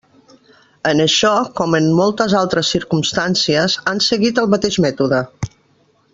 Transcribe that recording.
En això, com en moltes altres circumstàncies, han seguit el mateix mètode.